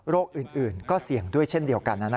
อื่นก็เสี่ยงด้วยเช่นเดียวกัน